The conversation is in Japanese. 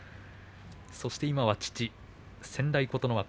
そして今は父先代、琴ノ若。